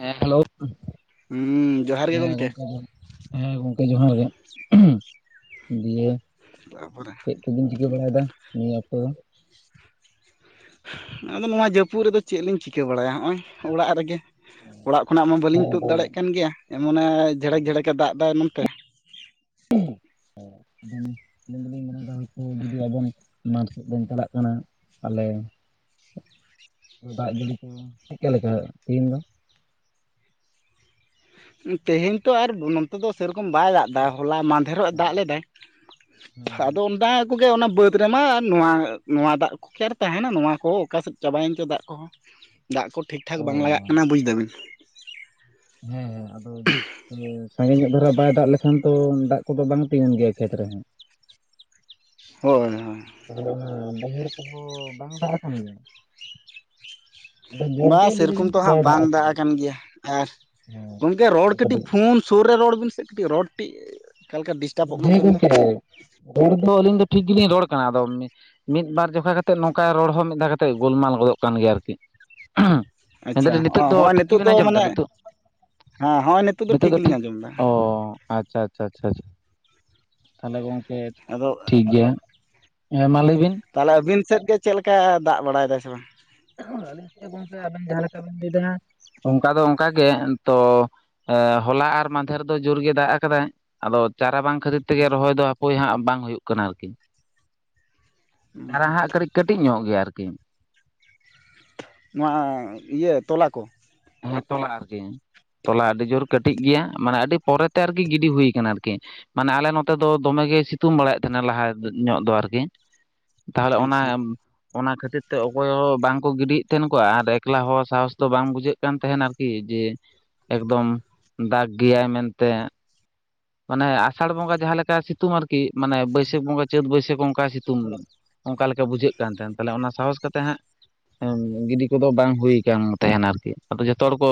ᱦᱮᱸ ᱦᱮᱞᱳ ᱦᱩᱸ ᱡᱚᱦᱟᱨ ᱜᱮ ᱦᱮᱸ ᱜᱚᱢᱠᱮ ᱜᱚᱝᱠᱮ ᱟᱦᱟᱨ ᱦᱮᱸ ᱜᱚᱝᱠᱮ ᱡᱚᱦᱟᱨ ᱜᱮ ᱫᱤᱭᱮ ᱛᱟᱯᱚᱨᱮ ᱪᱮᱫ ᱠᱚᱵᱤᱱ ᱪᱤᱠᱟᱹ ᱵᱟᱲᱟᱭᱮᱫᱟ ᱱᱤᱭᱟᱹ ᱚᱠᱛᱚ ᱫᱚ? [inaudible] ᱟᱫᱚ ᱱᱚᱣᱟ ᱡᱟᱹᱯᱩᱫ ᱨᱮᱫᱚ ᱪᱮᱫ ᱞᱤᱧ ᱪᱤᱠᱟᱹ ᱵᱟᱲᱟᱭᱟ ᱦᱚᱜᱼᱚᱭ ᱚᱲᱟᱜ ᱨᱮᱜᱮ ᱚᱲᱟᱜ ᱠᱷᱚᱱᱟᱜ ᱢᱟ ᱵᱟᱹᱞᱤᱧ ᱛᱩᱫ ᱫᱟᱲᱮᱭᱟᱜ ᱠᱟᱱ ᱜᱮᱭᱟ ᱮᱢᱚᱱᱮ ᱡᱷᱷᱟᱲᱮᱠ ᱡᱷᱮᱲᱮᱠᱮ ᱫᱟᱜ ᱮᱫᱟ ᱱᱚᱱᱛᱮ ᱟᱫᱚ ᱟᱹᱞᱤᱧ ᱫᱚᱞᱤᱧ ᱢᱚᱱᱮᱭᱫᱟ ᱦᱳᱭ ᱡᱩᱫᱤ ᱟᱵᱮᱱ ᱢᱟᱴᱷ ᱥᱮᱫ ᱵᱮᱱ ᱪᱟᱞᱟᱜ ᱠᱟᱱᱟ ᱟᱞᱮ ᱫᱟᱜ ᱡᱟᱹᱲᱤ ᱠᱚ ᱪᱮᱫᱠᱟ ᱞᱮᱠᱟ ᱛᱤᱦᱤᱧ ᱫᱚ? ᱛᱮᱦᱮᱧ ᱛᱚ ᱟᱨ ᱵᱚᱱᱚᱛ ᱩᱱᱫᱚ ᱥᱮᱨᱚᱠᱚᱢ ᱵᱟᱭ ᱫᱟᱜ ᱮᱫᱟ ᱦᱚᱞᱟ ᱢᱟᱫᱷᱮᱨᱚᱜ ᱮ ᱫᱟᱜ ᱞᱮᱫᱟᱭ, ᱦᱮᱸ ᱟᱫᱚ ᱚᱱᱫᱟ ᱠᱚᱜᱮ ᱚᱱᱟ ᱵᱟᱹᱫᱽ ᱨᱮᱢᱟ ᱱᱚᱣᱟ ᱱᱚᱣᱟ ᱫᱟᱜ ᱠᱚ ᱠᱤ ᱟᱨ ᱛᱟᱦᱮᱱᱟ ᱱᱚᱣᱟ ᱠᱚ ᱚᱠᱟ ᱥᱮᱫ ᱪᱟᱵᱟᱭᱮᱱ ᱪᱚ ᱫᱟᱜ ᱠᱚ ᱫᱟᱜ ᱠᱚ ᱴᱷᱤᱠᱼᱴᱷᱟᱠ ᱚ ᱵᱟᱝ ᱞᱟᱜᱟᱜ ᱠᱟᱱᱟ ᱵᱩᱡ ᱫᱟᱵᱤᱱ ᱦᱮᱸ ᱟᱫᱚ ᱥᱟᱜᱮᱧᱚᱜ ᱫᱷᱟᱨᱟ ᱵᱟᱭ ᱫᱟᱜ ᱞᱮᱠᱷᱟᱱ ᱛᱚ ᱫᱟᱜ ᱠᱚᱫᱚ ᱵᱟᱝ ᱛᱤᱜᱩᱱ ᱜᱮᱭᱟ ᱠᱷᱮᱛ ᱨᱮᱦᱚᱸ ᱦᱳᱭ ᱦᱳᱭ ᱛᱟᱦᱚᱞᱮ ᱚᱱᱟ ᱵᱟᱹᱭᱦᱟᱹᱲ ᱠᱚᱦᱚᱸ ᱵᱟᱝ ᱫᱟᱜ ᱠᱟᱱ ᱜᱮᱭᱟ? ᱟᱫᱚ ᱡᱳᱨ ᱵᱟ ᱜᱮ ᱞᱟᱹᱭ ᱥᱮᱨᱚᱠᱚᱢ ᱫᱟᱵᱤᱱ ᱛᱚ ᱵᱟᱭ ᱦᱟᱸᱜ ᱵᱟᱝ ᱫᱟᱜ ᱟᱠᱟᱫᱟ ᱟᱠᱟᱱ ᱜᱮᱭᱟ ᱟᱨ ᱦᱮᱸ ᱜᱚᱢᱠᱮ ᱨᱚᱲ ᱟᱫᱚ ᱠᱟᱹᱴᱤᱡ ᱯᱷᱳᱱ ᱥᱩᱨ ᱨᱮ ᱨᱚᱲ ᱵᱤᱱ ᱥᱮ ᱠᱟᱹᱴᱤᱡ ᱨᱚᱲ ᱠᱟᱹᱴᱤᱡ ᱚᱠᱟᱞᱮᱠᱟ ᱰᱤᱥᱴᱟᱵᱚᱜ ᱠᱟᱱ ᱦᱮᱸ ᱛᱟᱵᱤᱱᱟ ᱜᱚᱝᱠᱮ ᱨᱚᱲ ᱫᱚ ᱟᱹᱞᱤᱧ ᱫᱚ ᱴᱷᱤᱠ ᱜᱮᱞᱤᱧ ᱨᱚᱲ ᱠᱟᱱᱟ ᱟᱫᱚ ᱢᱮ ᱢᱤᱫ ᱵᱟᱨ ᱡᱚᱠᱷᱟ ᱠᱟᱛᱮᱫ ᱱᱚᱝᱠᱟ ᱨᱚᱲ ᱦᱚᱸ ᱢᱤᱫ ᱫᱷᱟᱣ ᱠᱟᱛᱮᱜ ᱜᱳᱞᱢᱟᱞ ᱜᱚᱫᱚᱜ ᱠᱟᱱ ᱜᱮᱭᱟ ᱟᱨᱠᱤ ᱢᱮᱱ ᱟᱪᱪᱷᱟ ᱮᱫᱟᱞᱤᱧ ᱱᱤᱛᱚᱜ ᱫᱚ ᱦᱚᱸᱜᱼᱚᱭ ᱴᱷᱤᱠ ᱱᱤᱛᱚᱜ ᱜᱮᱵᱮᱱ ᱫᱚ ᱟᱸᱡᱚᱢ ᱮᱫᱟ ᱢᱟᱱᱮ ᱱᱤᱛᱚᱜ ᱦᱮᱸ ᱦᱚᱸᱜᱼᱚᱭ ᱱᱤᱛᱚᱜ ᱫᱚ ᱜᱮᱞᱤᱧ ᱴᱷᱤᱠ ᱟᱸᱡᱚᱢ ᱮᱫᱟ ᱚ ᱟᱪᱪᱷᱟ ᱟᱪᱪᱷᱟ ᱟᱪᱪᱷᱟ ᱛᱟᱦᱚᱞᱮ ᱜᱚᱢᱠᱮ ᱟᱫᱚ ᱴᱷᱤᱠ ᱜᱮᱭᱟ ᱦᱮᱸ ᱢᱟ ᱞᱟᱹᱭ ᱵᱤᱱ ᱛᱟᱦᱚᱞᱮ ᱟᱵᱤᱱ ᱥᱮᱫ ᱜᱮ ᱪᱮᱫ ᱞᱮᱠᱟ ᱫᱟᱜ ᱵᱟᱲᱟᱭ ᱮᱫᱟᱭ ᱥᱮ ᱵᱟᱝ ᱟᱞᱤᱧ ᱥᱮᱫ ᱦᱚᱸ ᱜᱚᱝᱠᱮ ᱟᱵᱮᱱ ᱡᱟᱦᱟᱸ ᱞᱮᱠᱟ ᱵᱮᱱ ᱞᱟᱹᱭ ᱮᱫᱟ ᱚᱱᱠᱟ ᱫᱚ ᱚᱱᱠᱟ ᱜᱮ ᱛᱚ ᱦᱚᱞᱟ ᱟᱨ ᱢᱟᱫᱷᱮᱨ ᱫᱚ ᱡᱳᱨ ᱜᱮ ᱫᱟᱜ ᱟᱠᱟᱫᱟᱭ ᱟᱫᱚ ᱪᱟᱨᱟ ᱵᱟᱝ ᱠᱷᱟᱹᱛᱤᱨ ᱛᱮᱜᱮ ᱨᱚᱦᱚᱭ ᱫᱚ ᱦᱟᱯᱚᱭ ᱦᱟᱸᱜ ᱵᱟᱝ ᱦᱩᱭᱩᱜ ᱠᱟᱱᱟ ᱟᱨᱠᱤ ᱪᱟᱨᱟ ᱦᱟᱸᱜ ᱠᱟᱹᱴᱤ ᱠᱟᱹᱴᱤᱡ ᱧᱚᱜ ᱜᱮᱭᱟ ᱟᱨᱠᱤ ᱱᱚᱣᱟ ᱤᱭᱟᱹ ᱛᱚᱞᱟ ᱠᱚ ᱦᱮᱸ ᱛᱚᱞᱟ ᱟᱨᱠᱤ ᱛᱚᱞᱟ ᱟᱹᱰᱤ ᱡᱳᱨ ᱠᱟᱹᱴᱤᱡ ᱜᱮᱭᱟ ᱢᱟᱱᱮ ᱟᱹᱰᱤ ᱯᱚᱨᱮᱛᱮ ᱟᱨᱠᱤ ᱜᱤᱰᱤ ᱦᱩᱭ ᱠᱟᱱᱟ ᱟᱨᱠᱤ ᱢᱟᱱᱮ ᱟᱞᱮ ᱱᱚᱛᱮ ᱫᱚ ᱫᱚᱢᱮ ᱜᱮᱭ ᱥᱤᱛᱩᱝ ᱵᱟᱲᱟᱭᱮᱫ ᱛᱟᱦᱮᱱᱟ ᱞᱟᱦᱟ ᱧᱚᱜ ᱫᱚ ᱟᱨᱠᱤ ᱛᱟᱦᱚᱞᱮ ᱚᱱᱟ ᱟᱪᱪᱷᱟ ᱚᱱᱟ ᱠᱷᱟᱹᱛᱤᱨ ᱛᱮ ᱚᱠᱚᱭ ᱦᱚᱸ ᱵᱟᱝᱠᱚ ᱜᱤᱰᱤᱭᱮᱫ ᱛᱟᱦᱮᱱ ᱠᱚ ᱟᱨ ᱮᱠᱞᱟ ᱦᱚᱸ ᱥᱟᱦᱚᱥ ᱫᱚ ᱵᱟᱝ ᱵᱩᱡᱷᱟᱹᱜ ᱠᱟᱱᱟ ᱠᱟᱱ ᱛᱟᱦᱮᱱ ᱟᱨᱠᱤ ᱡᱮ ᱮᱠᱫᱚᱢ ᱫᱟᱜ ᱜᱮᱭᱟᱭ ᱢᱮᱱᱛᱮ ᱢᱟᱱᱮ ᱟᱥᱟᱲ ᱵᱚᱸᱜᱟ ᱡᱟᱦᱟ ᱞᱮᱠᱟ ᱥᱤᱛᱩᱝ ᱟᱨᱠᱤ ᱢᱟᱱᱮ ᱵᱟᱹᱭᱥᱟᱹᱠᱷ ᱵᱚᱸᱜᱟ ᱪᱟᱹᱛ ᱵᱟᱹᱭᱥᱟᱹᱠᱷ ᱚᱱᱠᱟ ᱥᱤᱛᱩᱝ ᱮᱫᱟ ᱚᱱᱠᱟ ᱞᱮᱠᱟ ᱵᱩᱡᱷᱟᱹᱜ ᱠᱟᱱ ᱛᱟᱦᱮᱱ ᱛᱟᱦᱚᱞᱮ ᱚᱱᱟ ᱥᱟᱦᱚᱥ ᱠᱟᱛᱮ ᱦᱟᱸᱜ ᱜᱤᱰᱤ ᱠᱚᱫᱚ ᱵᱟᱝ ᱦᱩᱭᱩ ᱟᱠᱟᱱ ᱛᱟᱦᱮᱱᱟ ᱟᱨᱠᱤ ᱟᱫᱚ ᱡᱚᱛᱚ ᱦᱚᱲ ᱠᱚ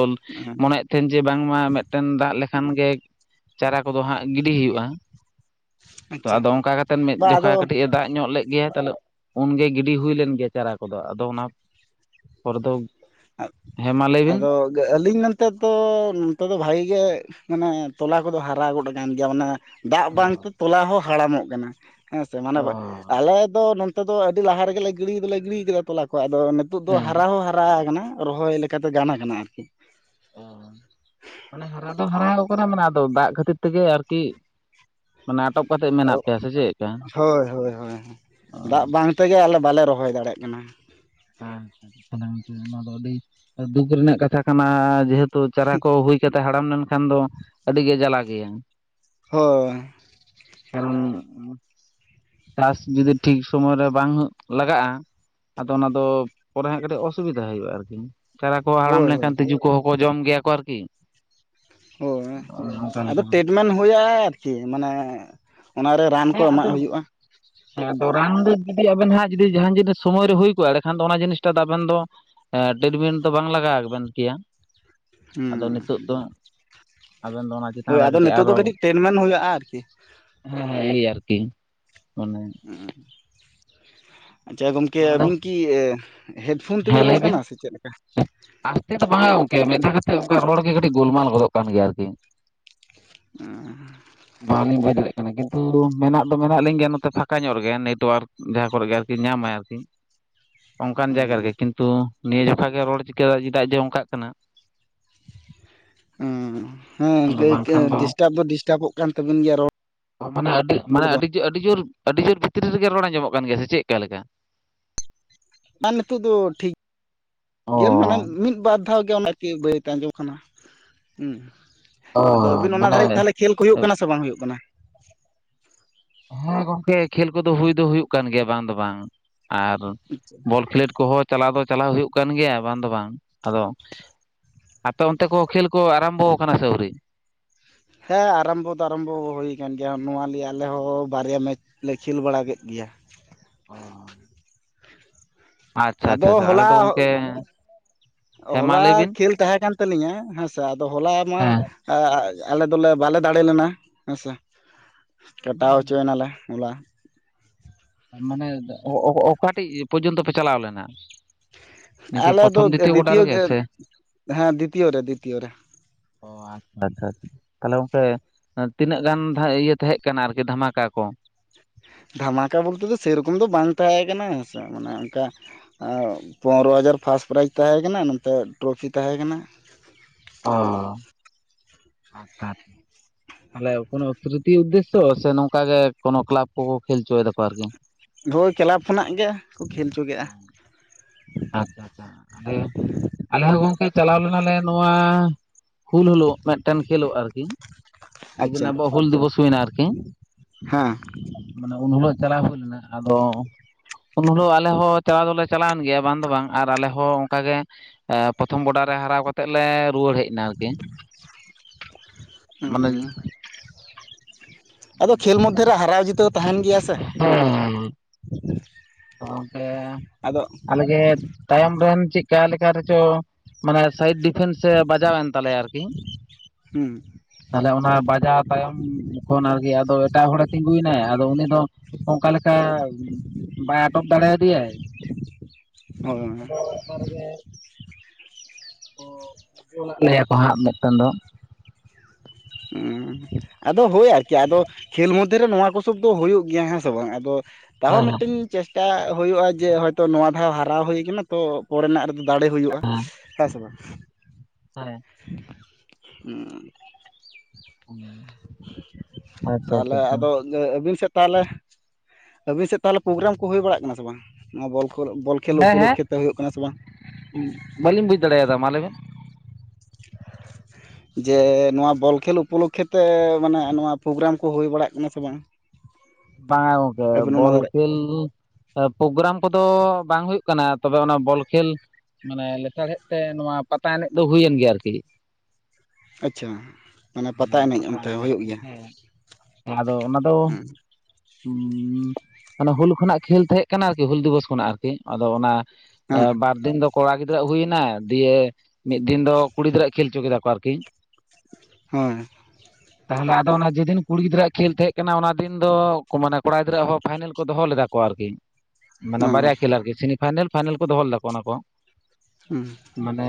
ᱢᱚᱱᱮᱭᱮᱫ ᱛᱟᱦᱮᱱ ᱡᱮ ᱵᱟᱝᱢᱟ ᱢᱤᱫᱴᱮᱱ ᱫᱟᱜ ᱞᱮᱠᱷᱟᱱ ᱜᱮ ᱪᱟᱨᱟ ᱠᱚᱫᱚ ᱦᱟᱸᱜ ᱜᱤᱰᱤ ᱦᱩᱭᱩᱜᱼᱟ ᱛᱚ ᱟᱪᱪᱷᱟ ᱟᱫᱚ ᱚᱱᱠᱟ ᱠᱟᱛᱮ ᱢᱤᱫ ᱵᱟ ᱟᱫᱚ ᱡᱚᱠᱷᱟ ᱠᱟᱹᱴᱤᱡ ᱮ ᱫᱟᱜ ᱧᱚᱜ ᱞᱮᱫ ᱜᱮ ᱛᱟᱦᱚᱞᱮ ᱩᱱᱜᱮ ᱜᱤᱰᱤ ᱦᱩᱭ ᱞᱮᱱ ᱜᱮᱭᱟ ᱪᱟᱨᱟ ᱠᱚᱫᱚ ᱟᱫᱚ ᱚᱱᱟ ᱯᱚᱨ ᱫᱚ ᱦᱮᱸ ᱢᱟ ᱞᱟᱹᱭ ᱵᱤᱱ ᱟᱫᱚ ᱟᱹᱞᱤᱧ ᱢᱮᱱᱛᱮ ᱛᱚ ᱱᱚᱛᱮ ᱫᱚ ᱵᱷᱟᱜᱮ ᱜᱮ ᱢᱟᱱᱮ ᱛᱚᱞᱟ ᱠᱚᱫᱚ ᱦᱟᱨᱟ ᱜᱚᱫ ᱟᱠᱟᱱ ᱜᱮᱭᱟ ᱢᱟᱱᱮ ᱫᱟᱜ ᱵᱟᱝᱛᱮ ᱛᱚᱞᱟ ᱦᱚᱸ ᱦᱟᱲᱟᱢᱚᱜ ᱠᱟᱱᱟ ᱦᱮᱸ ᱥᱮ ᱢᱟᱱᱮ ᱵᱟᱝ ᱟᱞᱮ ᱫᱚ ᱱᱮᱛᱚᱜ ᱫᱚ ᱟᱹᱰᱤ ᱞᱟᱦᱟ ᱨᱮᱜᱮᱞᱮ ᱜᱤᱲᱤ ᱫᱚᱞᱮ ᱜᱤᱲᱤ ᱟᱠᱟᱫᱟ ᱛᱚᱞᱟ ᱠᱚ ᱟᱫᱚ ᱱᱤᱛᱚᱜ ᱫᱚ ᱦᱮᱸ ᱦᱟᱨᱟ ᱦᱚᱸ ᱦᱟᱨᱟ ᱟᱠᱟᱱᱟ ᱨᱚᱦᱚᱭ ᱞᱮᱠᱟᱫᱚ ᱜᱟᱱ ᱟᱠᱟᱱᱟ ᱟᱨᱠᱤ [unintelligible] ᱢᱟᱱᱮ ᱦᱟᱨᱟ ᱫᱚ ᱦᱟᱨᱟ ᱟᱠᱟᱱᱟ ᱟᱫᱚ ᱫᱟᱜ ᱠᱷᱟᱹᱛᱤᱨ ᱛᱮᱜᱮ ᱟᱨᱠᱤ ᱢᱟᱱᱮ ᱟᱴᱚᱠ ᱠᱟᱛᱮᱜ ᱢᱮᱱᱟᱜ ᱯᱮᱭᱟ ᱥᱮ ᱪᱮᱫ ᱞᱮᱠᱟ ᱦᱳᱭ ᱦᱳᱭ ᱦᱳᱭ ᱫᱟᱜ ᱵᱟᱝ ᱛᱮᱜᱮ ᱟᱞᱮ ᱵᱟᱞᱮ ᱨᱚᱦᱚᱭ ᱫᱟᱲᱮᱭᱟᱜ ᱠᱟᱱᱟ ᱟᱪᱪᱷᱟ ᱜᱚᱝᱠᱮ ᱱᱚᱣᱟ ᱫᱚ ᱟᱹᱰᱤ ᱫᱩᱠ ᱨᱮᱱᱟᱜ ᱠᱟᱛᱷᱟ ᱠᱟᱱᱟ ᱡᱮᱦᱮᱛᱩ ᱪᱟᱨᱟ ᱠᱚ ᱦᱩᱭ ᱠᱟᱛᱮᱫ ᱦᱟᱲᱟᱢ ᱞᱮᱱᱠᱷᱟᱱ ᱫᱚ ᱟᱹᱰᱤᱜᱮ ᱡᱟᱞᱟ ᱜᱮᱭᱟ ᱦᱳᱭ ᱠᱟᱨᱚᱱ ᱪᱟᱥ ᱡᱩᱫᱤ ᱴᱷᱤᱠ ᱥᱩᱢᱚᱭ ᱨᱮ ᱵᱟᱝ ᱞᱟᱜᱟᱜᱼᱟ ᱟᱫᱚ ᱚᱱᱟ ᱫᱚ ᱯᱚᱨᱮ ᱦᱟᱸᱜ ᱠᱟᱹᱴᱤᱡ ᱚᱥᱩᱵᱷᱤᱫᱟ ᱦᱩᱭᱩᱜᱼᱟ ᱟᱨᱠᱤ ᱪᱟᱨᱟ ᱠᱚ ᱦᱟᱲᱟᱢ ᱦᱳᱭ ᱦᱳᱭ ᱞᱮᱱᱠᱷᱟᱱ ᱛᱤᱡᱩ ᱠᱚᱦᱚᱸ ᱠᱚ ᱡᱚᱢ ᱜᱮᱭᱟ ᱠᱚ ᱟᱨᱠᱤ ᱦᱳᱭ ᱚᱱᱠᱟ ᱟᱫᱚ ᱞᱮᱠᱟ ᱴᱤᱴᱢᱮᱱᱴ ᱦᱩᱭᱩᱜᱼᱟ ᱟᱨᱠᱤ ᱢᱟᱱᱮ ᱚᱱᱟᱨᱮ ᱨᱟᱱ ᱠᱚ ᱦᱮᱸ ᱮᱢᱟᱜ ᱟᱫᱚ ᱦᱩᱭᱩᱜᱼᱟ ᱟᱫᱚ ᱨᱟᱱ ᱫᱚ ᱡᱩᱫᱤ ᱟᱵᱮᱱ ᱦᱟᱸᱜ ᱡᱩᱫᱤ ᱡᱟᱦᱟᱱ ᱡᱤᱱᱤᱥ ᱥᱚᱢᱚᱭ ᱨᱮ ᱦᱩᱭ ᱠᱚᱜᱼᱟ ᱮᱰᱮᱠᱷᱟᱱ ᱫᱚ ᱚᱱᱟ ᱡᱤᱱᱤᱥᱴᱟ ᱫᱚ ᱟᱵᱮᱱ ᱫᱚ ᱴᱤᱴᱢᱤᱱᱴ ᱫᱚ ᱵᱟᱝ ᱞᱟᱜᱟᱣ ᱟᱵᱮᱱ ᱠᱮᱭᱟ᱾ ᱟᱫᱚ ᱦᱩᱸ ᱱᱤᱛᱚᱜ ᱫᱚ ᱟᱵᱮᱱ ᱫᱚ ᱚᱱᱟ ᱪᱮᱛᱟᱱ ᱦᱳᱭ ᱨᱮ ᱟᱫᱚ ᱱᱤᱛᱚᱜ ᱫᱚ ᱟᱨᱚ ᱠᱟᱹᱴᱤᱡ ᱴᱮᱴᱢᱮᱱ ᱦᱩᱭᱩᱜᱼᱟ ᱟᱨᱠᱤ ᱦᱳᱭ ᱟᱨᱠᱤ ᱢᱟᱱᱮ [unintelligible] ᱟᱪᱪᱷᱟ ᱜᱚᱢᱠᱮ ᱟᱫᱚ ᱟᱹᱵᱤᱱ ᱠᱤ ᱦᱮᱰᱯᱷᱳᱱ ᱦᱮᱸ ᱛᱮᱵᱤᱱ ᱞᱟᱹᱭ ᱨᱚᱲ ᱵᱤᱱ ᱠᱟᱱᱟ ᱥᱮ ᱪᱮᱫ ᱞᱮᱠᱟ ᱟᱥᱛᱮ ᱫᱚ ᱵᱟᱝ ᱜᱚᱝᱠᱮ ᱢᱤᱫ ᱫᱷᱟᱣ ᱠᱟᱛᱮᱜ ᱚᱱᱠᱟ ᱨᱚᱲ ᱜᱮ ᱠᱟᱹᱴᱤᱡ ᱜᱚᱞᱢᱟᱞ ᱜᱚᱫᱚᱜ ᱠᱟᱱ ᱜᱮᱭᱟ ᱟᱨᱠᱤ [unintelligible] ᱵᱟᱝᱞᱤᱧ ᱵᱩᱡᱽ ᱫᱟᱲᱭᱟᱜ ᱠᱟᱱᱟ ᱠᱤᱱᱛᱩ ᱢᱮᱱᱟᱜ ᱫᱚ ᱢᱮᱱᱟᱜ ᱞᱤᱧ ᱜᱮᱭᱟ ᱱᱚᱛᱮ ᱯᱷᱟᱸᱠᱟ ᱧᱚᱜ ᱨᱮᱜᱮ ᱱᱮᱴᱚᱣᱟᱨᱠ ᱡᱟᱦᱟᱸ ᱠᱚᱨᱮ ᱜᱮ ᱟᱨᱠᱤ ᱧᱟᱢᱟᱭ ᱟᱨᱠᱤ ᱚᱱᱠᱟᱱ ᱡᱟᱭᱜᱟ ᱨᱮᱜᱮ ᱠᱤᱱᱛᱩ ᱱᱤᱭᱟᱹ ᱡᱚᱠᱷᱟ ᱜᱮ ᱨᱚᱲ ᱪᱤᱠᱟᱹ ᱪᱮᱫᱟᱜ ᱡᱮ ᱚᱱᱠᱟᱜ ᱠᱟᱱᱟ᱾ ᱦᱩ ᱦᱮᱸ ᱟᱫᱚ ᱠᱟᱹᱡ ᱠᱟᱹᱡ ᱵᱟᱝᱠᱷᱟᱱ ᱰᱤᱥᱴᱟᱯ ᱫᱚ ᱰᱤᱥᱴᱟᱵᱚᱜ ᱠᱟᱱ ᱛᱟᱵᱤᱱ ᱜᱮᱭᱟ ᱨᱚᱲ᱾ ᱢᱟᱱᱮ ᱟᱹᱰᱤ ᱢᱟᱱᱮ ᱫᱚ ᱟᱹᱰᱤ ᱟᱹᱰᱤᱡᱳᱨ ᱟᱹᱰᱤ ᱡᱳᱨ ᱵᱷᱤᱛᱨᱤ ᱨᱮᱜᱮ ᱨᱚᱲ ᱟᱸᱡᱚᱢᱟᱜ ᱠᱟᱱ ᱜᱮᱭᱟ ᱥᱮ ᱪᱮᱫᱠᱟ ᱞᱮᱠᱟ? ᱟᱨ ᱱᱤᱛᱚᱜ ᱫᱚ ᱴᱷᱤᱠ ᱜᱮ ᱢᱟᱱᱮ ᱚ ᱢᱤᱫ ᱵᱟᱨ ᱢᱤᱫᱫᱷᱟᱣ ᱜᱮ ᱚᱱᱟ ᱠᱤ ᱵᱟᱹᱭ ᱛᱮ ᱟᱸᱡᱚᱢ ᱠᱟᱱᱟ ᱦᱩᱸ ᱟᱫᱚ ᱟᱹᱵᱤᱱ ᱚᱱᱟ ᱫᱷᱟᱹᱨᱤᱡ ᱢᱟᱱᱮ ᱛᱟᱦᱚᱞᱮ ᱠᱷᱮᱞ ᱠᱚ ᱦᱩᱭᱩᱜ ᱠᱟᱱᱟ ᱥᱮ ᱵᱟᱝ ᱦᱩᱭᱩᱜ ᱠᱟᱱᱟ? ᱦᱩᱸ ᱜᱚᱢᱠᱮ ᱠᱷᱮᱞ ᱠᱚᱫᱚ ᱦᱩᱭ ᱫᱚ ᱦᱩᱭᱩᱜ ᱠᱟᱱ ᱜᱮᱭᱟ ᱵᱟᱝ ᱫᱚ ᱵᱟᱝ, ᱟᱨ ᱵᱚᱞ ᱠᱷᱮᱞᱳᱰ ᱠᱚᱦᱚᱸ ᱪᱟᱞᱟᱣ ᱫᱚ ᱪᱟᱞᱟᱣ ᱦᱩᱭᱩᱜ ᱠᱟᱱ ᱜᱮᱭᱟ ᱵᱟᱝ ᱫᱚ ᱵᱟᱝ, ᱟᱫᱚ ᱟᱯᱮ ᱚᱱᱛᱮ ᱠᱚ ᱠᱷᱮᱹᱞ ᱠᱚ ᱟᱨᱟᱢᱵᱚ ᱟᱠᱟᱱᱟ ᱥᱮ ᱟᱹᱣᱨᱤ? ᱦᱮᱸ ᱟᱨᱟᱢᱵᱚ ᱫᱚ ᱟᱨᱟᱢᱵᱚ ᱦᱩᱭ ᱟᱠᱟᱱ ᱜᱮᱭᱟ ᱱᱚᱣᱟ ᱞᱤᱭᱟᱹ ᱟᱞᱮ ᱦᱚᱸ ᱵᱟᱨᱭᱟ ᱢᱮᱪ ᱞᱮ ᱠᱷᱮᱹᱞ ᱵᱟᱲᱟ ᱠᱮᱫ ᱜᱮᱭᱟ᱾ ᱚ ᱟᱫᱚ ᱟᱞᱮ ᱦᱚᱞᱟ ᱫᱚ ᱜᱚᱝᱠᱮ ᱦᱮᱸ ᱢᱟ ᱦᱚᱞᱟ ᱞᱟᱹᱭ ᱵᱤᱱ? ᱠᱷᱮᱹᱞ ᱛᱟᱦᱮᱸ ᱠᱟᱱ ᱛᱟᱹᱞᱤᱧᱟ ᱦᱮᱸᱥᱮ ᱟᱫᱚ ᱦᱚᱞᱟ ᱢᱟ ᱦᱮᱸ ᱟᱞᱮ ᱫᱚᱞᱮ ᱵᱟᱞᱮ ᱫᱟᱲᱮᱹ ᱞᱮᱱᱟ ᱦᱮᱸ ᱥᱮ? ᱠᱟᱴᱟᱣ ᱦᱚᱪᱚᱭ ᱮᱱᱟᱞᱮ ᱦᱚᱞᱟ᱾ ᱢᱟᱱᱮ ᱚ ᱚᱠᱟᱴᱤᱡ ᱯᱚᱨᱡᱚᱱᱛᱚ ᱯᱮ ᱪᱟᱞᱟᱣ ᱞᱮᱱᱟ? ᱱᱤᱝᱠᱟᱹ ᱟᱞᱮ ᱫᱚ ᱯᱨᱚᱛᱷᱚᱢ ᱜᱚᱰᱟ ᱫᱤᱛᱤᱭᱚ ᱨᱮᱜᱮ ᱥᱮ ᱦᱮᱸ ᱫᱤᱛᱤᱭᱚ ᱨᱮ ᱫᱤᱛᱤᱭᱚ ᱨᱮ᱾ ᱚ [inaudible] ᱟᱪᱪᱷᱟ ᱟᱪᱪᱷᱟ ᱛᱟᱦᱞᱮ ᱜᱚᱝᱠᱮ ᱛᱤᱱᱟᱹᱜ ᱜᱟᱱ ᱤᱭᱟᱹ ᱛᱟᱦᱮᱸ ᱠᱟᱱᱟ ᱟᱨᱠᱤ ᱫᱷᱟᱢᱟᱠᱟ ᱠᱚ? ᱫᱷᱟᱢᱟᱠᱟ ᱵᱚᱞᱛᱮ ᱫᱚ ᱥᱮᱭᱨᱚᱠᱚᱢ ᱫᱚ ᱵᱟᱝ ᱛᱟᱦᱮᱸ ᱠᱟᱱᱟ, ᱥᱮ ᱢᱟᱱᱮ ᱚᱱᱠᱟ ᱮᱸᱜ ᱯᱚᱱᱨᱚ ᱦᱟᱡᱟᱨ ᱯᱷᱟᱥᱴ ᱯᱨᱟᱭᱤᱡᱽ ᱛᱟᱦᱮᱸ ᱠᱟᱱᱟ ᱱᱚᱛᱮ ᱴᱨᱚᱯᱷᱤ ᱛᱟᱦᱮᱸ ᱠᱟᱱᱟ᱾ ᱚ ᱟᱪᱪᱷᱟ ᱟᱪᱪᱷᱟ᱾ ᱛᱟᱦᱞᱮ ᱠᱚᱱᱳ ᱠᱨᱤᱛᱤ ᱩᱫᱽᱫᱮᱥᱥᱚ ᱥᱮ ᱱᱚᱝᱠᱟ ᱜᱮ ᱠᱚᱱᱚ ᱠᱞᱟᱯ ᱠᱚᱠᱚ ᱠᱷᱮᱹᱞ ᱚᱪᱚᱭ ᱫᱟ ᱠᱚ ᱟᱨᱠᱤ᱾ ᱦᱳᱭ ᱠᱞᱟᱵᱽ ᱠᱷᱚᱱᱟᱜ ᱜᱮ ᱠᱷᱮᱹᱞ ᱦᱚᱪᱚ ᱠᱮᱜ-ᱟ᱾ ᱟᱪᱪᱷᱟ ᱟᱪᱪᱷᱟ, ᱟᱞᱮ ᱦᱚᱸ ᱜᱚᱝᱠᱮ ᱪᱟᱞᱟᱣ ᱞᱮᱱᱟᱞᱮ ᱱᱚᱣᱟ ᱦᱩᱞ ᱦᱩᱞᱳᱜ ᱢᱤᱫᱴᱮᱱ ᱠᱷᱮᱹᱞᱳᱜ ᱟᱨᱠᱤ ᱡᱮᱫᱤᱱ ᱟᱵᱚᱣᱟᱜ ᱦᱩᱞ ᱫᱤᱵᱚᱥ ᱦᱩᱭᱱᱟ ᱟᱨᱠᱤ᱾ ᱦᱮᱸ ᱢᱟᱱᱮ ᱩᱱ ᱦᱤᱞᱳᱜ ᱪᱟᱞᱟᱣ ᱦᱩᱭ ᱞᱮᱱᱟ ᱟᱫᱚ ᱩᱱ ᱦᱤᱞᱳᱜ ᱟᱞᱮ ᱦᱚᱸ ᱪᱟᱞᱟᱣ ᱫᱚᱞᱮ ᱪᱟᱞᱟᱣᱮᱱ ᱜᱮᱭᱟ, ᱵᱟᱝ ᱫᱚ ᱵᱟᱝ ᱟᱨ ᱟᱞᱮ ᱦᱚᱸ ᱚᱱᱠᱟᱜᱮ ᱯᱨᱚᱛᱷᱚᱢ ᱵᱚᱰᱟᱨ ᱨᱮ ᱦᱟᱨᱟᱣ ᱠᱟᱛᱮ ᱞᱮ ᱨᱩᱣᱟᱹᱲ ᱦᱮᱡ ᱮᱱᱟ ᱟᱨᱠᱤ ᱢᱟᱱᱮ ᱦᱩᱸ ᱟᱫᱚ ᱠᱷᱮᱹᱞ ᱢᱚᱫᱽᱫᱷᱮ ᱨᱮ ᱦᱟᱨᱟᱣ ᱡᱤᱛᱟᱹᱣ ᱛᱟᱦᱮᱱ ᱜᱮᱭᱟ ᱥᱮ᱾ [unintelligible] ᱟᱫᱚ ᱟᱞᱮᱜᱮ ᱛᱟᱭᱚᱢ ᱨᱮᱱ ᱪᱮᱫᱠᱟ ᱞᱮᱠᱟ ᱨᱮᱪᱚ ᱢᱟᱱᱮ ᱥᱟᱭᱤᱰ ᱰᱤ ᱯᱷᱮᱱ ᱥᱮ ᱵᱟᱡᱟᱣᱮᱱ ᱛᱟᱞᱮᱭᱟ ᱟᱨᱠᱤ᱾ ᱦᱩᱸ ᱛᱟᱦᱚᱞᱮ ᱚᱱᱟ ᱵᱟᱡᱟᱣ ᱛᱟᱭᱚᱢ ᱠᱷᱚᱱ ᱟᱨᱠᱤ ᱟᱫᱚ ᱮᱴᱟᱜ ᱦᱚᱲᱮ ᱛᱤᱸᱜᱩᱭᱮᱱᱟᱭ ᱟᱫᱚ ᱩᱱᱤ ᱫᱚ, ᱚᱱᱠᱟ ᱞᱮᱠᱟ ᱵᱟᱭ ᱟᱴᱚᱠ ᱫᱟᱲᱮᱭᱟᱫᱮᱭᱟᱭ, ᱦᱳᱭ ᱫᱚ ᱚᱱᱠᱟ ᱨᱮᱜᱮ ᱜᱳᱞᱟᱜ ᱞᱮᱭᱟ ᱠᱚ ᱦᱟᱸᱜ ᱢᱤᱫᱴᱟᱝ ᱫᱚ᱾ ᱦᱩᱸ ᱟᱫᱚ ᱦᱳᱭ ᱟᱨᱠᱤ ᱟᱫᱚ ᱠᱷᱮᱹᱞ ᱢᱚᱫᱽᱫᱷᱮᱨᱮ ᱱᱚᱣᱟ ᱠᱚᱥᱚᱵ ᱫᱚ ᱦᱩᱭᱩᱜ ᱜᱮᱭᱟ ᱦᱮᱸ ᱥᱮ ᱵᱟᱝ? ᱟᱫᱚ ᱛᱟᱣ ᱢᱤᱫᱴᱮᱱ ᱪᱮᱥᱴᱟ ᱦᱩᱭᱩᱜᱼᱟ ᱡᱮ ᱦᱚᱭᱛᱚ ᱱᱚᱣᱟ ᱫᱷᱟᱣ ᱦᱟᱨᱟᱣ ᱦᱩᱭ ᱠᱟᱱᱟ, ᱛᱚ ᱯᱚᱨᱮᱱᱟᱜ ᱨᱮᱫᱚ ᱫᱟᱲᱮ ᱦᱩᱭᱩᱜᱼᱟ, ᱦᱮᱸ ᱥᱮ ᱵᱟᱝ? ᱚᱠᱟᱨᱮ ᱦᱩᱸ ᱟᱪᱪᱷᱟ ᱟᱪᱪᱷᱟ ᱛᱟᱦᱚᱞᱮ ᱟᱪᱪᱷᱟ ᱟᱫᱚ ᱟᱹᱵᱤᱱ ᱥᱮᱫ ᱛᱟᱦᱚᱞᱮ ᱟᱹᱵᱤᱱ ᱥᱮᱫ ᱛᱟᱦᱚᱞᱮ ᱯᱨᱳᱜᱨᱟᱢ ᱠᱚ ᱦᱩᱭ ᱵᱟᱲᱟᱜ ᱠᱟᱱᱟ ᱥᱮ ᱵᱟᱝ? ᱱᱚᱣᱟ ᱵᱚᱞ ᱠᱷᱚᱞ, ᱵᱚᱞ ᱠᱷᱮᱞ ᱦᱮᱸ ᱦᱮᱸ ᱩᱯᱚᱞᱚᱠᱠᱷᱮᱛᱮ ᱦᱩᱭᱩᱜ ᱠᱟᱱᱟ ᱥᱮ ᱵᱟᱝ? ᱵᱟᱹᱞᱤᱧ ᱵᱩᱡ ᱫᱟᱲᱮᱭᱟᱫᱟ ᱢᱟ ᱞᱟᱹᱭᱵᱮᱱ᱾ ᱡᱮ ᱱᱚᱣᱟ ᱵᱚᱞ ᱠᱷᱮᱞ ᱩᱯᱚᱞᱚᱠᱠᱷᱮᱛᱮ ᱢᱟᱱᱮ ᱱᱚᱣᱟ ᱯᱨᱳᱜᱨᱟᱢ ᱠᱚ ᱦᱩᱭ ᱵᱟᱲᱟᱜ ᱠᱟᱱᱟ ᱥᱮ ᱵᱟᱝ? ᱵᱟᱝᱟ ᱜᱚᱝᱠᱮ ᱟᱹᱵᱤᱱ ᱚᱱᱟ ᱵᱚᱞ ᱫᱟᱨᱮ ᱠᱷᱮᱞ ᱯᱨᱳᱜᱨᱟᱢ ᱠᱚᱫᱚ ᱵᱟᱝ ᱦᱩᱭᱩᱜ ᱠᱟᱱᱟ ᱛᱚᱵᱮ ᱚᱱᱟ ᱵᱚᱞ ᱠᱷᱮᱞ ᱢᱟᱱᱮ ᱞᱛᱟᱲᱦᱮᱫ ᱛᱮ ᱱᱚᱣᱟ ᱯᱟᱛᱟ ᱮᱱᱮᱡ ᱫᱚ ᱦᱩᱭᱮᱱ ᱜᱮᱭᱟ ᱟᱨᱠᱤ ᱟᱪᱪᱷᱟ ᱢᱟᱱᱮ ᱦᱮᱸ ᱯᱟᱛᱟ ᱚᱱᱛᱮ ᱮᱱᱮᱡ ᱦᱩᱭᱩᱜ ᱦᱚᱛᱮᱡ ᱜᱮᱭᱟ ᱛᱮ ᱦᱮᱸ ᱟᱫᱚ ᱚᱱᱟ ᱫᱚ ᱦᱮᱸ ᱩ ᱢᱟᱱᱮ ᱦᱩᱞ ᱠᱷᱚᱱᱟᱜ ᱠᱷᱮᱞ ᱛᱟᱦᱮᱸᱜ ᱠᱟᱱᱟ ᱟᱨᱠᱤ ᱦᱩᱞ ᱫᱤᱵᱚᱥ ᱠᱷᱚᱱᱟᱜ ᱟᱨᱠᱤ ᱟᱫᱚ ᱚᱱᱟ ᱦᱮᱸ ᱵᱟᱨᱫᱤᱱ ᱫᱚ ᱠᱚᱲᱟ ᱜᱤᱫᱽᱨᱟᱹ ᱟᱜ ᱦᱩᱭᱱᱟ ᱫᱤᱭᱮ ᱢᱤᱫ ᱫᱤᱱ ᱫᱚ ᱠᱩᱲᱤ ᱜᱤᱫᱽᱨᱟᱹ ᱟᱜ ᱠᱷᱮᱹᱞ ᱦᱚᱪᱚ ᱠᱮᱫᱟ ᱠᱚ ᱟᱨᱠᱤ ᱦᱳᱭ ᱛᱟᱦᱚᱞᱮ ᱟᱫᱚ ᱚᱱᱟ ᱡᱮᱫᱤᱱ ᱠᱩᱲᱤ ᱜᱤᱫᱽᱨᱟᱹᱣᱟᱜ ᱠᱷᱮᱞ ᱛᱟᱦᱮᱸ ᱠᱟᱱᱟ ᱚᱱᱟ ᱫᱤᱱ ᱫᱚ ᱢᱟᱱᱮ ᱠᱚᱲᱟ ᱜᱤᱫᱽᱨᱟᱹ ᱦᱚᱸ ᱯᱷᱟᱭᱱᱮᱞ ᱠᱚ ᱫᱚᱦᱚ ᱞᱮᱫᱟ ᱠᱚ ᱟᱨᱠᱤ ᱢᱟᱱᱮ ᱦᱮᱸ ᱵᱟᱨᱭᱟ ᱠᱷᱮᱹᱞ ᱟᱨᱠᱤ [unintelligible] ᱯᱷᱟᱭᱱᱮᱞᱼᱯᱷᱟᱭᱱᱮᱞ ᱠᱚ ᱫᱚᱦᱚ ᱞᱮᱫᱟ ᱠᱚ ᱚᱱᱟ ᱠᱚ, ᱦᱩᱸ ᱢᱟᱱᱮ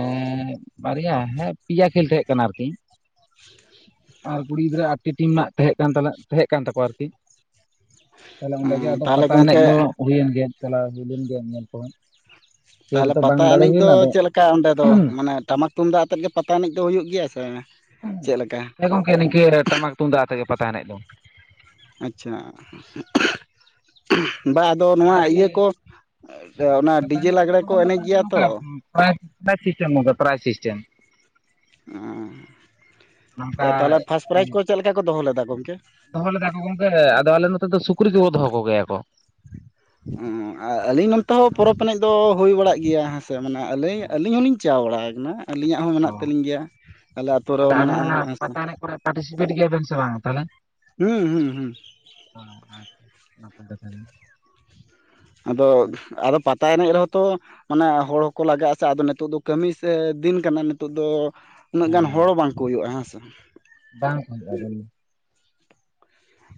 ᱵᱟᱨᱭᱟ ᱦᱮᱸ ᱯᱮᱭᱟ ᱠᱷᱮᱞ ᱛᱟᱸᱦᱮᱠ ᱠᱟᱱᱟ ᱟᱨᱠᱤ ᱟᱨ ᱠᱩᱲᱤ ᱜᱤᱫᱽᱨᱟᱹ ᱟᱴᱤ ᱴᱤᱢ ᱨᱮᱱᱟᱜ ᱛᱟᱦᱮᱸ ᱠᱟᱱᱛᱟᱱᱮ ᱛᱟᱦᱮᱸ ᱠᱟᱱ ᱛᱟᱠᱚᱣᱟ ᱟᱨᱠᱤ ᱛᱟᱦᱞᱮ ᱚᱸᱰᱮ ᱜᱮ ᱦᱮᱸ ᱟᱫᱚ ᱛᱟᱦᱚᱞᱮ ᱯᱟᱛᱟ ᱮᱱᱮᱡ ᱜᱚᱢᱠᱮ ᱫᱚ ᱦᱩᱭᱮᱱ ᱜᱮ ᱪᱟᱞᱟᱣ ᱦᱩᱭ ᱞᱮᱱ ᱜᱮᱭᱟ ᱧᱮᱞ ᱠᱚᱦᱚᱸ ᱠᱷᱮᱞ ᱛᱟᱦᱚᱞᱮ ᱨᱮᱫᱚ ᱵᱟᱝ ᱯᱟᱛᱟ ᱫᱟᱲᱮ ᱮᱱᱮᱡ ᱦᱩᱭ ᱫᱚ ᱞᱮᱱᱟ ᱟᱫᱚ ᱪᱮᱫᱞᱮᱠᱟ ᱚᱸᱰᱮ ᱫᱚ ᱢᱟᱱᱮ ᱴᱟᱢᱟᱠ ᱛᱩᱢᱫᱟᱜ ᱟᱛᱮᱫ ᱜᱮ ᱯᱟᱛᱟ ᱮᱱᱮᱡ ᱫᱚ ᱦᱩᱭᱩᱜ ᱜᱮᱭᱟ ᱥᱮ ᱵᱟᱝ ᱪᱮᱫ ᱞᱮᱠᱟ ᱦᱮᱸ ᱜᱚᱢᱠᱮ ᱱᱤᱠ ᱴᱟᱢᱟᱠ ᱛᱩᱢᱫᱟᱜ ᱟᱛᱮᱜᱮ ᱯᱟᱛᱟ ᱮᱱᱮᱡ ᱫᱚ᱾ ᱟᱪᱪᱷᱟ ᱵᱟᱫᱽ ᱟᱫᱚ ᱱᱚᱣᱟ ᱟᱨᱠᱤ ᱤᱭᱟᱹ ᱠᱚ ᱚᱱᱟ ᱰᱤᱡᱮ ᱞᱟᱜᱽᱬᱮ ᱠᱚ ᱮᱱᱮᱡ ᱜᱮᱭᱟ ᱛᱚ ᱯᱨᱟᱭ ᱯᱨᱟᱭ ᱥᱤᱥᱴᱢ ᱱᱚᱣᱟ ᱫᱚ ᱯᱨᱟᱭ ᱥᱤᱥᱴᱢ ᱱᱚᱝᱠᱟ ᱚᱸᱻ ᱛᱟᱦᱚᱞᱮ ᱯᱷᱟᱥᱴ ᱯᱨᱟᱭᱤᱡᱽ ᱠᱚ ᱪᱮᱫ ᱞᱮᱠᱟ ᱠᱚ ᱫᱚᱦᱚ ᱞᱮᱫᱟ ᱜᱚᱢᱠᱮ ᱫᱚᱦᱚ ᱞᱮᱫᱟ ᱠᱚ ᱜᱚᱢᱠᱮ ᱟᱫᱚ ᱟᱞᱮ ᱱᱚᱛᱮ ᱫᱚ ᱥᱩᱠᱨᱤ ᱠᱚᱵᱚ ᱫᱚᱦᱚ ᱠᱚᱜᱮᱭᱟ ᱠᱚ ᱟᱨ ᱟᱹᱞᱤᱧ ᱱᱚᱱᱛᱮ ᱦᱚᱸ ᱢᱟᱱᱮ ᱯᱚᱨᱚᱵᱽ ᱮᱱᱮᱡ ᱫᱚ ᱦᱩᱭ ᱵᱟᱲᱟᱜ ᱜᱮᱭᱟ ᱦᱮᱸ ᱥᱮ ᱢᱟᱱᱮ ᱟᱹᱞᱤᱧ ᱦᱮᱸ ᱟᱹᱞᱤᱧ ᱦᱚᱸᱞᱤᱧ ᱪᱟ ᱵᱟᱲᱟ ᱠᱟᱱᱟ ᱟᱹᱞᱤᱧᱟᱜ ᱦᱚᱸ ᱚ ᱢᱮᱱᱟᱜ ᱛᱟᱹᱞᱤᱧ ᱜᱮᱭᱟ ᱟᱞᱮ ᱟ ᱟᱹᱛᱩ ᱨᱮᱦᱚᱸ ᱢᱮᱱᱟᱜᱼᱟ ᱦᱮᱸ ᱥᱮ ᱯᱴᱤᱥᱤᱯᱮᱴ ᱜᱮᱭᱟ ᱵᱮᱱ ᱥᱮ ᱵᱟᱝᱟ ᱛᱟᱦᱚᱞᱮ ᱦᱩᱸ ᱦᱩᱸ ᱦᱩᱸ [inaudible] ᱟᱫᱚ ᱟᱫᱚ ᱯᱟ ᱛᱟᱭ ᱮᱱᱮᱡ ᱨᱮᱦᱚᱸ ᱛᱚ ᱢᱟᱱᱮ ᱦᱚᱲ ᱦᱚᱠᱚ ᱞᱟᱜᱟᱜᱼᱟ ᱥᱮ ᱟᱫᱚ ᱱᱤᱛᱚᱜ ᱫᱚ ᱠᱟᱹᱢᱤ ᱫᱤᱱ ᱠᱟᱱᱟ ᱱᱤᱛᱚᱜ ᱫᱚ ᱩᱱᱟᱹᱜ ᱜᱟᱱ ᱦᱚᱲ ᱵᱟᱝᱠᱚ ᱦᱩᱭᱩᱜᱼᱟ ᱦᱮᱸᱥᱮ ᱵᱟᱝ [unintelligible] ᱠᱷᱼᱟ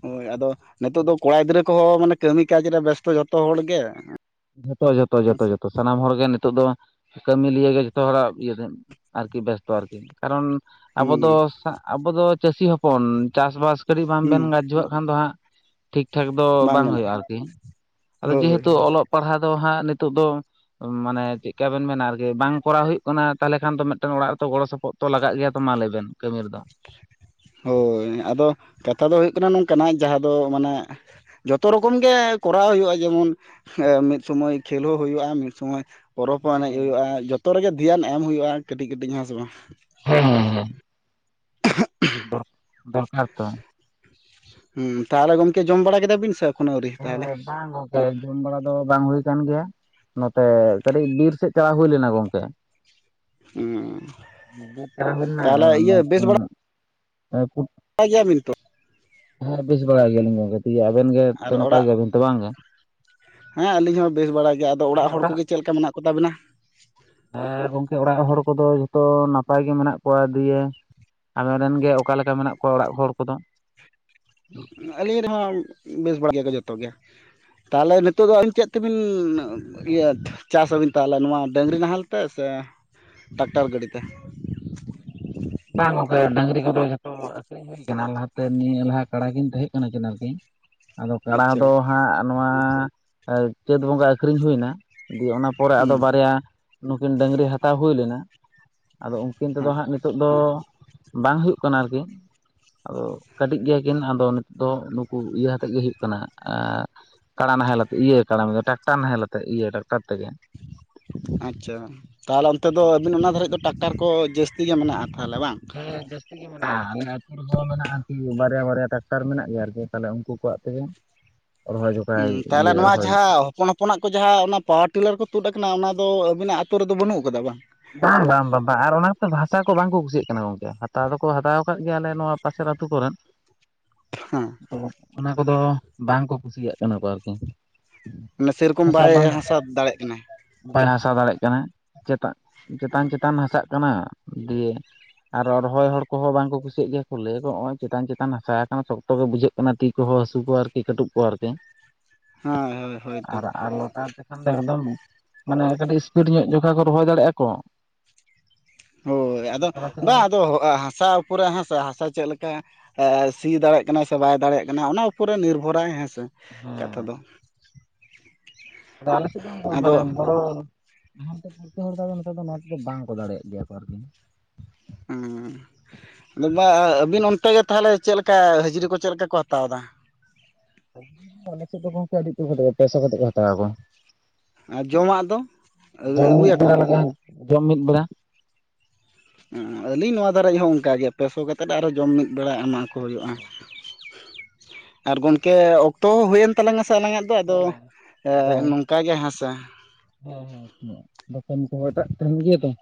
ᱦᱳᱭ ᱟᱫᱚ ᱱᱤᱛᱚᱜ ᱫᱚ ᱠᱚᱲᱟ ᱜᱤᱫᱽᱨᱟᱹ ᱠᱚᱦᱚᱸ ᱢᱟᱱᱮ ᱠᱟᱹᱢᱤ ᱠᱟᱡᱽ ᱨᱮ ᱵᱮᱥᱛᱚ ᱡᱷᱚᱛᱚ ᱦᱚᱲᱜᱮ ᱡᱚᱛᱚ ᱡᱚᱛᱚ ᱡᱚᱛᱚ ᱡᱚᱛᱚ ᱥᱟᱱᱟᱢ ᱦᱚᱲᱜᱮ ᱱᱤᱛᱚᱜ ᱫᱚ ᱠᱟᱹᱢᱤ ᱞᱤᱭᱮ ᱡᱚᱛᱚ ᱦᱚᱲᱟᱜ ᱤᱭᱟᱹ ᱟᱨᱠᱤ ᱵᱮᱥ [unintelligible] ᱟᱨᱠᱤ ᱠᱟᱨᱚᱱ ᱟᱵᱚ ᱫᱚ ᱦᱩᱸ ᱟᱵᱚ ᱫᱚ ᱪᱟᱹᱥᱤ ᱦᱚᱯᱚᱱ ᱪᱟᱥᱵᱟᱥ ᱠᱟᱹᱴᱤᱡ ᱵᱟᱢ ᱵᱮᱱ ᱦᱩᱸ ᱜᱡᱚᱣᱟᱜ ᱠᱷᱟᱱ ᱫᱚ ᱦᱟᱸᱜ ᱴᱷᱤᱠ ᱴᱷᱟᱠ ᱫᱚ ᱵᱟᱝ ᱦᱩᱭᱩᱜᱼᱟ ᱟᱨᱠᱤ ᱟᱫᱚ ᱦᱳᱭ ᱡᱮᱦᱮᱛᱩ ᱦᱳᱭ ᱚᱞᱚᱜ ᱯᱟᱲᱦᱟᱣ ᱫᱚ ᱦᱟᱸᱜ ᱱᱤᱛᱚᱜ ᱫᱚ ᱢᱟᱱᱮ ᱪᱮᱫ ᱞᱮᱠᱟᱵᱮᱱ ᱢᱮᱱᱟ ᱟᱨᱠᱤ ᱵᱟᱝ ᱠᱚᱨᱟᱣ ᱦᱩᱭᱩᱜ ᱠᱟᱱᱟ ᱛᱟᱦᱚᱞᱮ ᱠᱷᱟᱱ ᱫᱚ ᱢᱤᱫᱴᱮᱱ ᱚᱲᱟᱜ ᱨᱮᱛᱚ ᱜᱚᱲᱚ ᱥᱚᱯᱚᱦᱚᱫ ᱚᱛᱚ ᱞᱟᱜ ᱜᱮᱭᱟ ᱛᱚ ᱢᱟ ᱞᱟᱹᱭᱵᱱ ᱠᱟᱹᱢᱤ ᱨᱮᱫᱚ ᱦᱳᱭ ᱟᱫᱚ ᱠᱟᱛᱷᱟ ᱫᱚ ᱦᱩᱭᱩᱜ ᱠᱟᱱᱟ ᱱᱚᱝᱠᱟᱱᱟᱜ ᱡᱟᱦᱟᱸ ᱫᱚ ᱢᱟᱱᱮ ᱡᱚᱛᱚ ᱨᱚᱠᱚᱢ ᱜᱮ ᱠᱚᱨᱟᱣ ᱦᱩᱭᱩᱜᱼᱟ ᱡᱮᱢᱚᱱ [unintelligible] ᱢᱤᱫ ᱥᱚᱢᱚᱭ ᱠᱷᱮᱞ ᱦᱚᱸ ᱦᱩᱭᱩᱜᱼᱟ ᱢᱤᱫ ᱥᱚᱢᱚᱭ ᱯᱚᱨᱚᱵᱽ ᱦᱚᱸ ᱮᱱᱮᱡ ᱦᱮᱸ ᱦᱩᱭᱩᱜᱼᱟ ᱡᱚᱛᱚ ᱨᱮᱜᱮ ᱫᱷᱮᱭᱟᱱ ᱮᱢ ᱦᱩᱭᱩᱜᱼᱟ ᱠᱟᱹᱴᱤᱡ ᱠᱟᱹᱴᱤᱡ ᱦᱮᱸ ᱥᱮ ᱵᱟᱝ [unintelligible] ᱦᱮᱸ ᱦᱮᱸ ᱦᱮᱸ ᱦ [unintelligible] [unintelligible] ᱫᱚᱨᱠᱟᱨ ᱛᱚ ᱦᱩᱸ ᱛᱟᱦᱚᱞᱮ ᱜᱚᱢᱠᱮ ᱡᱚᱢ ᱵᱟᱲᱟ ᱠᱮᱫᱟ ᱵᱤᱱ ᱥᱮ ᱮᱠᱷᱚᱱᱚ ᱟᱹᱣᱨᱤ ᱦᱮᱸ ᱛᱟᱦᱚᱞᱮ ᱵᱟᱝ ᱜᱚᱝᱠᱮ ᱡᱚᱢ ᱵᱟᱲᱟ ᱫᱚ ᱵᱟᱝ ᱦᱩᱭ ᱠᱟᱱ ᱜᱮᱭᱟ ᱱᱚᱛᱮ ᱠᱟᱹᱴᱤᱡ ᱵᱤᱨ ᱥᱮᱫ ᱪᱟᱞᱟᱣ ᱦᱩᱭ ᱞᱮᱱᱟ ᱜᱚᱝᱠᱮ ᱦᱩᱸ ᱛᱟᱦᱚᱞᱮ ᱤᱭᱟᱹ [inaudible] ᱯᱟᱭ ᱜᱤᱭᱟ. ᱵᱤᱱ ᱛᱚ... ᱦᱮᱸ ᱵᱮᱥ ᱵᱟᱲᱟᱭ ᱜᱮᱭᱟᱞᱤᱧ ᱜᱚᱝᱠᱮ ᱤᱭᱟ ᱟᱵᱮᱱ ᱜᱮ ᱛᱚ ᱟᱨ ᱱᱟᱯᱟᱭ ᱚᱲᱟᱜ ᱜᱮᱭᱟᱵᱮᱱ ᱛᱚ ᱵᱟᱝᱜ, ᱦᱮᱸ ᱟᱹᱞᱤᱧ ᱦᱚᱸ ᱵᱮᱥ ᱵᱟᱲᱟ ᱜᱮᱭᱟ ᱟᱫᱚ ᱦᱮᱸ ᱦᱚᱲ ᱚᱲᱟᱜ ᱠᱚᱜᱮ ᱪᱮᱫ ᱞᱮᱠᱟ ᱢᱮᱱᱟᱜ ᱠᱚ ᱛᱟᱵᱮᱱᱟ? ᱟᱨ ᱜᱚᱝᱠᱮ ᱚᱲᱟᱜ ᱦᱚᱲ ᱠᱚᱫᱚ ᱡᱷᱚᱛᱚ ᱱᱟᱯᱟᱭ ᱜᱮ ᱢᱮᱱᱟᱜ ᱠᱚᱣᱟ ᱫᱤᱭᱮ ᱟᱵᱮᱱ ᱨᱮᱱ ᱜᱮ ᱚᱠᱟᱞᱮᱠᱟ ᱢᱮᱱᱟᱜ ᱠᱚᱣᱟ ᱚᱲᱟᱜ ᱦᱚᱲ ᱠᱚ ᱫᱚ? ᱟᱹᱞᱤᱧ ᱨᱮᱦᱚᱸ ᱵᱮᱥ ᱵᱟᱲᱟ ᱜᱮᱭᱟ ᱠᱚ ᱡᱚᱛᱚ ᱜᱮ ᱛᱟᱦᱚᱞᱮ ᱱᱤᱛᱚᱜ ᱫᱚ ᱟᱹᱞᱤᱧ ᱪᱮᱫ ᱛᱮᱵᱤᱱ [unintelligible] ᱤᱭᱟᱹ ᱪᱟᱥ ᱟᱵᱤᱱ ᱛᱟᱦᱚᱞᱮ ᱱᱚᱣᱟ ᱰᱟᱹᱟᱝᱨᱤ ᱱᱟᱦᱮᱞ ᱛᱮ ᱥᱮ ᱴᱨᱟᱠᱴᱟᱨ ᱜᱟᱹᱰᱤ ᱛᱮ? ᱵᱟᱝ ᱜᱚᱝᱠᱮ ᱰᱟᱹᱝᱨᱤ ᱠᱚᱫᱚ ᱡᱚᱛᱚ ᱟᱠᱷᱨᱤᱧ ᱦᱩᱭ ᱟᱠᱟᱱᱟ ᱞᱟᱦᱟᱛᱮ ᱱᱤᱭᱟᱹ ᱞᱟᱦᱟ ᱠᱟᱲᱟ ᱠᱤᱱ ᱛᱟᱦᱮᱸ ᱠᱟᱱᱟ ᱠᱤᱱ ᱟᱨᱠᱤ ᱟᱫᱚ ᱠᱟᱲᱟ ᱫᱚ ᱟᱪᱪᱷᱟ ᱦᱟᱸᱜ ᱱᱚᱣᱟ ᱪᱟᱹᱛ ᱵᱚᱸᱜᱟ ᱟᱹᱠᱷᱨᱤᱧ ᱦᱩᱭ ᱮᱱᱟ ᱫᱤᱭᱮ ᱚᱱᱟ ᱯᱚᱨᱮ ᱟᱫᱚ ᱦᱩᱸ ᱵᱟᱨᱭᱟ ᱱᱩᱠᱤᱱ ᱰᱟᱹᱝᱨᱤ ᱦᱟᱛᱟᱣ ᱦᱩᱭ ᱞᱮᱱᱟ ᱟᱫᱚ ᱩᱱᱠᱤᱱ ᱛᱮᱫᱚ ᱦᱮᱸ ᱦᱟᱸᱜ ᱱᱤᱛᱚᱜ ᱫᱚ ᱵᱟᱝ ᱦᱩᱭᱩᱜ ᱠᱟᱱᱟ ᱟᱨᱠᱤ ᱟᱫᱚ ᱠᱟᱹᱴᱤᱡ ᱜᱮᱭᱟ ᱠᱤᱱ ᱟᱫᱚ ᱱᱤᱛᱚᱜ ᱫᱚ ᱱᱩᱠᱩ ᱤᱭᱟᱹ ᱟᱛᱮᱫ ᱜᱮ ᱦᱩᱭᱩᱜ ᱠᱟᱱᱟ ᱟ...... ᱠᱟᱲᱟ ᱱᱟᱦᱮᱞ ᱟᱛᱮ ᱤᱭᱟ. ᱠᱟᱲᱟᱢ [unintelligible] ᱴᱟᱠᱴᱟᱨ ᱱᱟᱦᱮᱞ ᱟᱛᱮ ᱤᱭᱟᱹ ᱴᱟᱠᱴᱟᱨ ᱛᱮᱜᱮ ᱟᱪᱪᱷᱟ ᱛᱟᱦᱚᱞᱮ ᱚᱱᱛᱮ ᱫᱚ ᱟᱹᱵᱤᱱ ᱚᱱᱟ ᱫᱷᱟᱨᱤᱡ ᱫᱚ ᱴᱟᱠᱴᱟᱨ ᱠᱚ ᱡᱟᱹᱥᱛᱤ ᱜᱮ ᱢᱮᱱᱟᱜᱼᱟ ᱛᱟᱦᱚᱞᱮ ᱵᱟᱝ? ᱦᱮᱸ ᱡᱟ. ᱥᱛᱤ [inaudible] ᱠᱤ ᱢᱮᱱᱟᱜ-ᱟ ᱟᱞᱮ ᱟᱹᱛᱩ ᱨᱮᱦᱚᱸ ᱢᱮᱱᱟᱜᱼᱟ ᱟᱨᱠᱤ ᱵᱟᱨᱭᱟ ᱵᱟᱨᱭᱟ ᱴᱟᱠᱴᱟᱨ ᱢᱮᱱᱟᱜ ᱜᱮᱭᱟ ᱟᱨᱠᱤ ᱛᱟᱦᱚᱞᱮ ᱩᱱᱠᱩ ᱠᱚᱣᱟᱜ ᱛᱮᱜᱮ ᱨᱚᱦᱚᱭ ᱡᱚᱠᱷᱟᱭ ᱛᱟᱦᱚᱞᱮ ᱤᱭᱟᱹ ᱱᱚᱣᱟ ᱨᱚᱦᱚᱭ ᱡᱷᱟᱶ ᱯᱚᱱ ᱦᱚᱯᱚᱱᱟᱜ ᱠᱚ ᱡᱟᱦᱟᱸ ᱚᱱᱟ ᱯᱟᱴᱞᱟᱨ ᱠᱚ ᱛᱩᱫ ᱟᱠᱟᱱᱟ ᱚᱱᱟ ᱫᱚ ᱟᱵᱤᱱᱟᱜ ᱟᱛᱚ ᱨᱮᱫᱚ ᱵᱟᱹᱱᱩᱜ ᱟᱠᱟᱫᱟ ᱵᱟᱝ? [unintelligible] ᱵᱟᱝ ᱵᱟᱝ ᱵᱟᱝ ᱟᱨ ᱚᱱᱟ ᱠᱚᱛᱚ ᱵᱷᱟᱥᱟ ᱠᱚ ᱵᱟᱝᱠᱚ ᱠᱩᱥᱤᱭᱟᱜ ᱠᱟᱱᱟ ᱜᱚᱝᱠᱮ ᱦᱟᱛᱟᱣ ᱫᱚᱠᱚ ᱦᱟᱛᱟᱣ ᱟᱠᱟᱫ ᱜᱮᱭᱟ ᱟᱞᱮ ᱱᱚᱣᱟ ᱯᱟᱥᱮᱨ ᱟᱛᱩ ᱠᱚᱨᱮᱱ [unintelligible] ᱦᱩᱸ.. ᱛᱚ ᱚᱱᱟ ᱠᱚᱫᱚ ᱵᱟᱝᱠᱚ ᱠᱩᱥᱤᱭᱟᱜ ᱠᱟᱱᱟ ᱠᱚ ᱵᱟᱨᱛᱮ ᱢᱮᱥᱮᱜ ᱨᱚᱠᱚᱢ ᱵᱟᱭ ᱦᱟᱥᱟ ᱫᱟᱲᱮᱜ ᱠᱟᱱᱟᱭ ᱵᱟᱭᱬ ᱦᱟᱥᱟᱣ ᱫᱟᱲᱮᱭᱟᱜ ᱠᱟᱱᱟ ᱪᱮᱛᱟ ᱪᱮᱛᱟᱱ ᱪᱮᱛᱟᱱ ᱦᱟᱥᱟᱜ ᱠᱟᱱᱟ ᱫᱤᱭᱮ ᱟᱨᱦᱚᱸ ᱨᱚᱦᱚᱭ ᱦᱚᱲ ᱠᱚᱦᱚᱸ ᱵᱟᱝᱠᱚ ᱠᱩᱥᱤᱜ ᱜᱮᱭᱟ ᱠᱚ ᱞᱟᱹᱭ ᱠᱚ ᱦᱚᱸᱜᱼᱚᱭ ᱪᱮᱛᱟᱱ ᱪᱮᱛᱟᱱ ᱦᱟᱥᱟ ᱟᱠᱟᱱᱟ ᱥᱚᱠᱛᱚ ᱜᱮ ᱵᱩᱡᱷᱟᱹᱜ ᱚᱱᱟ ᱛᱤ ᱠᱚᱦᱚᱸ ᱦᱟᱹᱥᱩ ᱠᱚᱣᱟ ᱟᱨᱠᱤ ᱠᱟᱹᱴᱩᱵ ᱠᱚ ᱟᱨᱠᱤ ᱦᱮᱸ ᱦᱳᱭ ᱦᱳᱭ ᱛᱚ ᱟᱨ ᱟᱨ ᱞᱚᱴᱟ ᱛᱮ ᱦᱟᱱᱰᱮ ᱮᱠᱫᱚᱢ ᱢᱟᱱᱮ ᱠᱟᱹᱴᱤᱡ ᱤᱥᱯᱤᱰ ᱧᱚᱜ ᱡᱚᱠᱷᱟ ᱠᱚ ᱨᱚᱦᱚᱭ ᱫᱟᱲᱮᱭᱟᱜᱼᱟ ᱠᱚ ᱦᱳᱭ ᱟᱫᱚ ᱛᱟᱲᱟᱛᱟᱲᱤ ᱵᱟᱝ ᱢᱟᱱᱮ ᱟᱫᱚ ᱦᱟᱥᱟ ᱩᱯᱩᱨᱟ. ᱦᱟᱥᱟ ᱦᱟᱥᱟ ᱪᱮᱫ ᱞᱮᱠᱟ ᱥᱤ ᱫᱟᱲᱮᱭᱟᱜ ᱠᱟᱱᱟᱭ ᱥᱮ ᱵᱟᱭ ᱫᱟᱲᱮᱭᱟᱜ ᱠᱟᱱᱟ ᱚᱱᱟ ᱩᱯᱟ. ᱨ ᱨᱮ ᱱᱤᱨᱵᱷᱚᱨᱟᱭ ᱦᱮᱸᱥᱮ ᱦᱮᱸ ᱠᱟᱛᱷᱟ ᱫᱚ ᱟᱞᱮᱥᱮᱫ ᱫᱚ ᱢᱟᱱᱮ ᱟᱫᱚ ᱦᱚᱸ [unintelligible] ᱱᱚᱣᱟ ᱠᱚᱫᱚ ᱵᱟᱝᱠᱚ ᱫᱟᱲᱮᱭᱟᱜ ᱜᱮᱭᱟ ᱠᱚ ᱟᱨᱠᱤ ᱦᱩᱸ-ᱦᱩᱸ ᱫᱟᱫᱟ ᱟᱹᱵᱤᱱ ᱚᱱᱛᱮ ᱜᱮ ᱛᱟᱦᱚᱞᱮ ᱪᱮᱫ ᱞᱮᱠᱟ ᱦᱟᱹᱡᱨᱤ ᱠᱚ ᱪᱮᱫ ᱞᱮᱠᱟ ᱠᱚ ᱦᱟᱛᱟᱣ ᱮᱫᱟ? ᱟᱞᱮ ᱥᱮᱫ ᱫᱚ ᱜᱚᱝᱠᱮ ᱟᱹᱰᱤ ᱩᱛᱟ. ᱨ [unintelligible] ᱯᱟᱭᱥᱟ ᱠᱟᱛᱮᱫ ᱠᱚ ᱦᱟᱛᱟᱣ ᱟᱠᱚ ᱟᱨ ᱡᱚᱢᱟᱜ ᱫᱚ ᱟᱹ ᱡᱚᱢ ᱢᱤᱫ ᱟᱹᱜᱩᱭ ᱟᱠᱚ? ᱵᱮᱲᱟ ᱞᱟᱜᱟᱜᱼᱟ ᱡᱚᱢ ᱢᱤᱫ ᱵᱮᱲᱟ ᱟᱹᱞᱤᱧ ᱱᱚᱣᱟ ᱫᱷᱟᱨᱮ ᱦᱚᱸ ᱚᱱᱠᱟᱜᱮ ᱯᱮ ᱥᱚ ᱠᱟᱛᱮᱫ ᱟᱨᱦᱚᱸ ᱡᱚᱢ ᱢᱤᱫ ᱵᱮᱲᱟ ᱮᱢᱟ ᱠᱚ ᱦᱩᱭᱩᱜᱼᱟ [unintelligible] ᱟᱨ ᱜᱚᱝᱠᱮ ᱚᱠᱛᱚ ᱦᱩᱭ ᱮᱱ ᱛᱟᱞᱟᱝ-ᱟ ᱥᱮ ᱟᱞᱟᱝ-ᱟᱜ ᱫᱚ ᱦᱮᱸ ᱟᱫᱚ ᱮᱸ ᱱᱚ... ᱚᱠᱟᱜᱮ ᱦᱮᱸ ᱥᱮ ᱦᱮᱸ ᱦᱮᱸ ᱟᱪᱷᱟ ᱫᱚᱠᱟᱱ ᱠᱚᱦᱚᱸ ᱮᱴᱟᱜ ᱴᱷᱮᱱ ᱜᱤ ᱛᱟᱸᱦ......